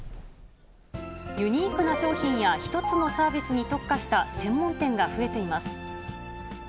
ユニークな商品や、１つのサービスに特化した専門店が増えています。